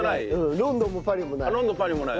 ロンドンパリもない。